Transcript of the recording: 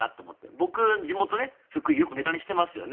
僕、地元が福井でよくネタにしてますよね。